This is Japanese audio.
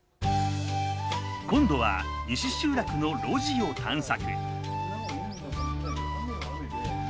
今度は西集落の路地を探索。